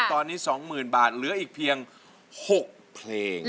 ตอนนี้๒๐๐๐บาทเหลืออีกเพียง๖เพลง